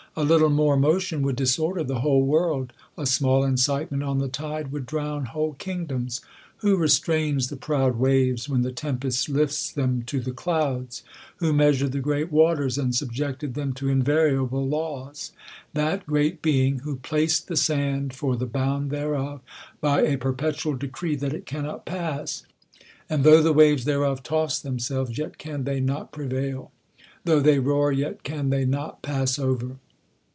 A little more mo tion would disorder the whole world ! A small in citement on the tide would drown whole kingdoms. Wlio restrains the proud waves, when the tempest lifts them to the clouds '/ Who measured the great watersgi and subjected them to invariable laws ? That great Be ing, *' who placed the sand lor the bound thereof, by a perpetual decree that it cannot pass ; and though the waves thereof toss themselves, yet can they not prevail ; though they roar, yet can they not pass over."